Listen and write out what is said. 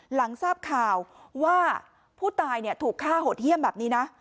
หลังทราบข่าวว่าผู้ตายถูกฆ่าโหดเยี่ยมแบบนี้นะ